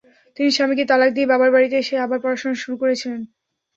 তিনি স্বামীকে তালাক দিয়ে বাবার বাড়িতে এসে আবার পড়াশোনা শুরু করেছিলেন।